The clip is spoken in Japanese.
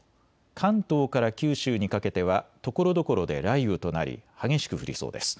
関東から九州にかけてはところどころで雷雨となり激しく降りそうです。